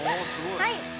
はい！